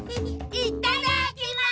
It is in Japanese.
いただきます！